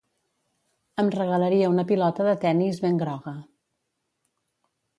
Em regalaria una pilota de tennis ben groga.